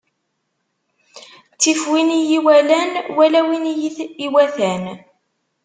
Ttif win i yi-iwalan wala win i yi-iwatan.